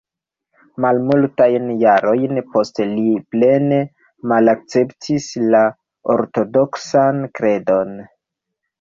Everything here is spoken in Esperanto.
Malmultajn jarojn poste li plene malakceptis la ortodoksan kredon.